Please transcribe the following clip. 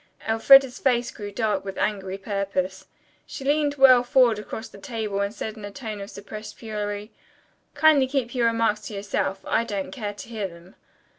Elfreda's face grew dark with angry purpose. She leaned well forward across the table and said in a tone of suppressed fury: "Kindly keep your remarks to yourself. I don't care to hear them."